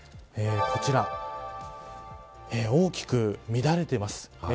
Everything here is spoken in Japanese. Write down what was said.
こちら、大きく乱れています。